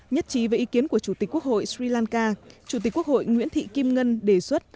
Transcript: nhất trí về ý kiến của chủ tịch quốc hội sri lanka chủ tịch quốc hội nguyễn thị kim ngân đề xuất